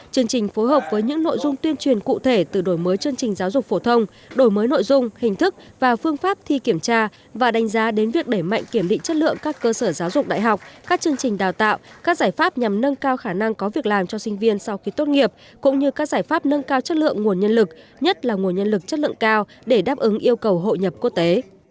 chương trình phối hợp với những nội dung tuyên truyền cụ thể từ đổi mới chương trình giáo dục phổ thông đổi mới nội dung hình thức và phương pháp thi kiểm tra và đánh giá đến việc để mạnh kiểm định chất lượng các cơ sở giáo dục đại học các chương trình đào tạo các giải pháp nhằm nâng cao khả năng có việc làm cho sinh viên sau khi tốt nghiệp cũng như các giải pháp nâng cao chất lượng nguồn nhân lực nhất là nguồn nhân lực chất lượng cao để đáp ứng yêu cầu hội nhập quốc tế